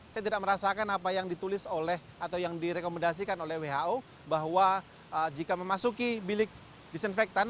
saya tidak merasakan apa yang ditulis oleh atau yang direkomendasikan oleh who bahwa jika memasuki bilik disinfektan